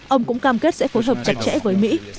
ông cũng cam kết sẽ phối hợp chặt chẽ với mỹ